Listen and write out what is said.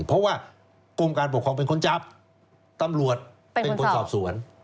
เพราะว่ากรมการปกครองเป็นคนจับตำรวจเป็นคนสอบสวน